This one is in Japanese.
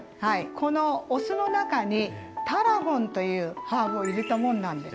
このお酢の中にタラゴンというハーブを入れたものなんです。